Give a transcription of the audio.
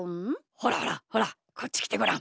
ほらほらほらこっちきてごらん。